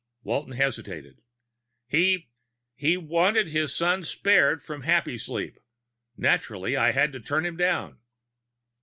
Walton hesitated. "He he wanted his son spared from Happysleep. Naturally, I had to turn him down."